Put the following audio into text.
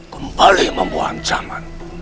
kembali membuang zaman